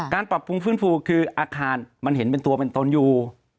ปรับปรุงฟื้นฟูคืออาคารมันเห็นเป็นตัวเป็นตนอยู่